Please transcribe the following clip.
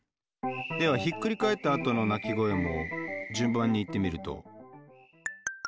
ではひっくり返ったあとの鳴き声も順番に言ってみると？